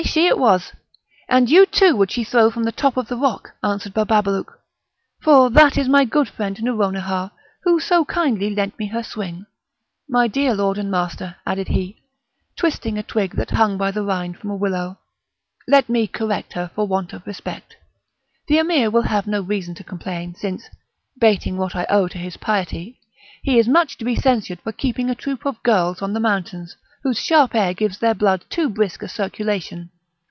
she it was; and you too would she throw from the top of the rock," answered Bababalouk; "for that is my good friend Nouronihar, who so kindly lent me her swing; my dear lord and master," added he, twisting a twig that hung by the rind from a willow, "let me correct her for want of respect; the Emir will have no reason to complain, since (bating what I owe to his piety) he is much to be censured for keeping a troop of girls on the mountains, whose sharp air gives their blood too brisk a circulation."